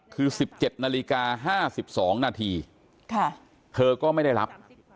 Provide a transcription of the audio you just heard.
คือสิบเจ็บนาฬิกาห้าสิบสองนาทีค่ะเธอก็ไม่ได้รับ